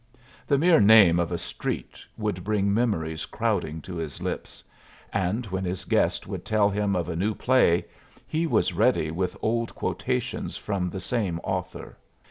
The mere name of a street would bring memories crowding to his lips; and when his guest would tell him of a new play, he was ready with old quotations from the same author.